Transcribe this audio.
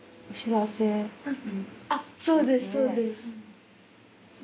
あっそうですそうです。ですね。